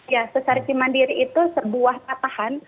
ya sesar cimandiri itu sebuah patahan